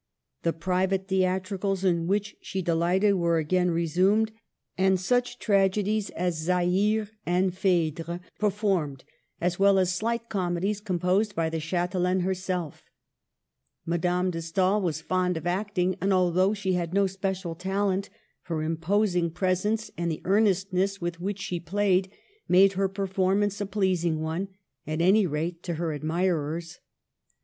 The private theatricals in which she delighted were again resumed, and such tragedies as Zaire and 10 Digitized by VjOOQIC I46 MADAME DE STA$L Phkare performed, as well as slight comedies composed by the chitelaine herself. Madame de Stael was fond of acting ; and although she had no special talent, her imposing presence, and the earnestness with which she played, made her performance a pleasing one — at any rate, to her admirers.